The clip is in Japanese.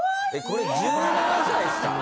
これ１７歳ですか？